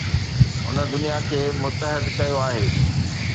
هن دنيا کي متحد ڪيو آهي